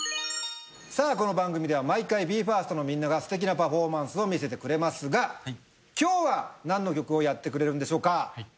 この番組では毎回ＢＥ：ＦＩＲＳＴのみんながステキなパフォーマンスを見せてくれますが今日は何の曲をやってくれるんでしょうか？